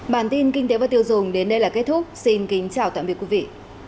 cảm ơn các doanh nghiệp đã theo dõi và hẹn gặp lại